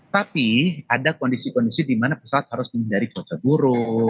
tapi ada kondisi kondisi di mana pesawat harus menghindari cuaca buruk